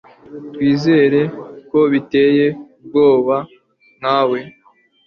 Twizere ko biteye ubwoba nkawe